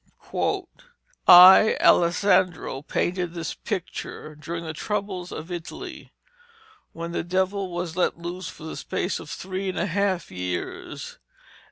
'I, Alessandro, painted this picture during the troubles of Italy ... when the devil was let loose for the space of three and a half years.